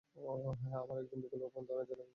আমরা এখন বিকল্প পন্থা কাজে লাগাব।